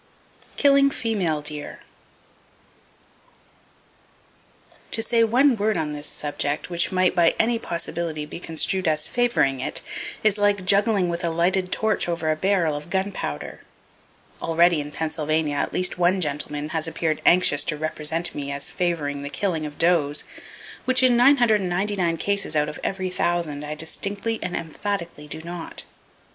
Killing Female Deer. —To say one word on this subject which might by any possibility be construed as favoring it, is like juggling with a lighted torch over a barrel of gunpowder. Already, in Pennsylvania at least one gentleman has appeared anxious to represent me as favoring the killing of does, which in nine hundred and ninety nine cases out of every thousand I distinctly and emphatically do not.